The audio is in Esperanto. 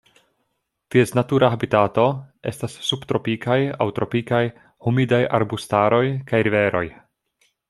Ties natura habitato estas subtropikaj aŭ tropikaj humidaj arbustaroj kaj riveroj.